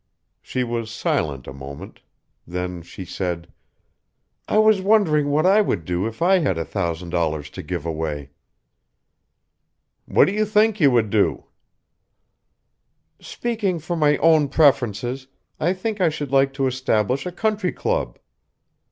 She was silent a moment. Then she said: "I was wondering what I would do if I had a thousand dollars to give away." "What do you think you would do?" "Speaking for my own preferences I think I should like to establish a country club."